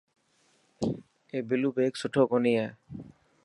اي بلو بيگ سٺو ڪوني هي.